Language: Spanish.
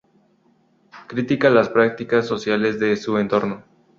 Critica las prácticas sociales de su entorno.